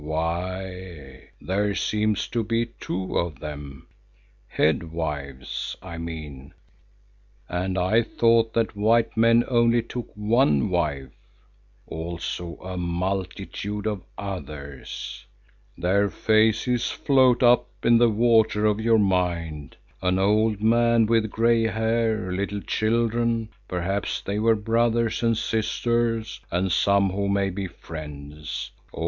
Why, there seems to be two of them, head wives, I mean, and I thought that white men only took one wife. Also a multitude of others; their faces float up in the water of your mind. An old man with grey hair, little children, perhaps they were brothers and sisters, and some who may be friends.